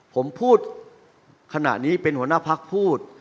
ผมพูดขณะนี้เป็นหัวหน้าพักพูด